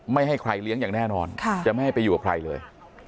ไม่ให้ใครเลี้ยงอย่างแน่นอนจะไม่ให้ไปอยู่กับใครเลย